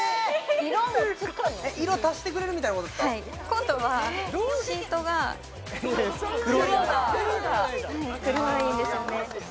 今度はシートが黒だ黒いんですよね